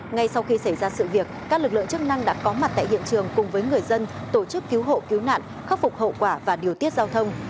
ngay sau khi xảy ra sự việc các lực lượng chức năng đã có mặt tại hiện trường cùng với người dân tổ chức cứu hộ cứu nạn khắc phục hậu quả và điều tiết giao thông